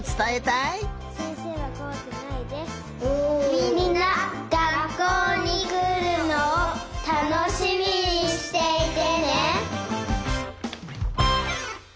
「みんながっこうにくるのをたのしみにしていてね！」。